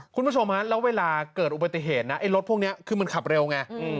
คุณผู้ชมฮะแล้วเวลาเกิดอุบัติเหตุนะไอ้รถพวกนี้คือมันขับเร็วไง